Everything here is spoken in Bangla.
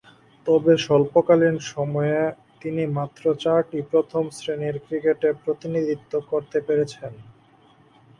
তবে, স্বল্পকালীন সময়ে তিনি মাত্র চারটি প্রথম-শ্রেণীর ক্রিকেটে প্রতিনিধিত্ব করতে পেরেছেন।